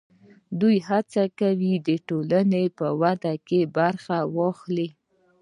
دوی هڅه کوي د ټولنې په وده کې برخه واخلي.